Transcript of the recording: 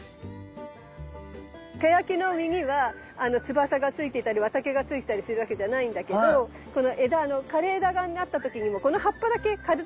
ケヤキの実には翼がついていたり綿毛がついていたりするわけじゃないんだけど枯れ枝になった時にもこの葉っぱだけ枯れた葉っぱが残ってるわけ。